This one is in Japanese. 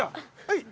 はい。